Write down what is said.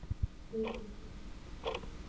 مېز د ماشومانو نقاشۍ لپاره ځای دی.